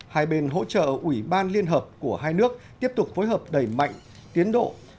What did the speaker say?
hai bên hỗ trợ ủy ban liên hợp của hai nước tiếp tục phối hợp đẩy mạnh tiến độ